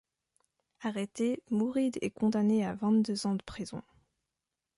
Arrêté, Mouride est condamné à vingt-deux ans de prison.